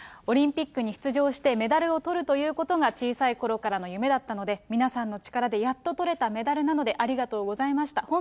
オリンピックに出場して、メダルをとるということが小さいころからの夢だったので、皆さんの力でやっととれたメダルなので、ありがとうございました。